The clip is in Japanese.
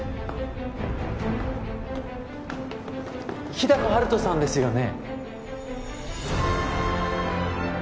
日高陽斗さんですよね